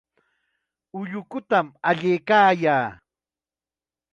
Ullukutam allaykaayaa.